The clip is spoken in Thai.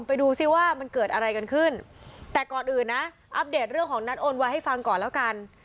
ไปดูซิว่ามันเกิดอะไรกันขึ้นแต่ก่อนอื่นนะอัปเดตเรื่องของนัดโอนไวให้ฟังก่อนแล้วกัน